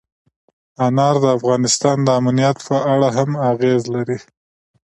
انار د افغانستان د امنیت په اړه هم اغېز لري.